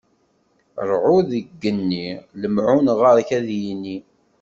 Ṛṛɛud deg yigenni, lemɛun ɣer-k ad yini!